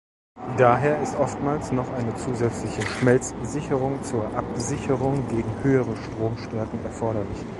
Daher ist oftmals noch eine zusätzliche Schmelzsicherung zur Absicherung gegen höhere Stromstärken erforderlich.